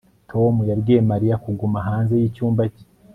Tom yabwiye Mariya kuguma hanze yicyumba cye